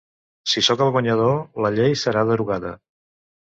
Si sóc el guanyador, la llei serà derogada.